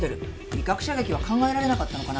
威嚇射撃は考えられなかったのかな？